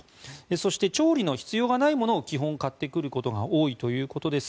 そして調理の必要がないものを基本買ってくることが多いということです